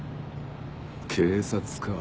警察か。